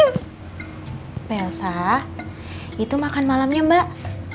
elsa itu makan malamnya mbak